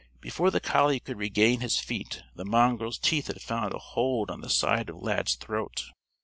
Before the collie could regain his feet the mongrel's teeth had found a hold on the side of Lad's throat.